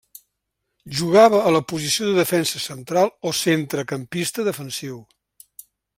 Jugava a la posició de defensa central o centrecampista defensiu.